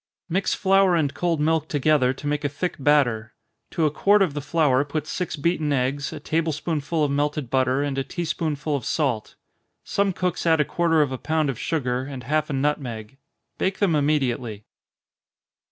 _ Mix flour and cold milk together, to make a thick batter. To a quart of the flour put six beaten eggs, a table spoonful of melted butter, and a tea spoonful of salt. Some cooks add a quarter of a pound of sugar, and half a nutmeg. Bake them immediately.